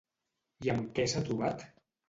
I amb què s'ha trobat?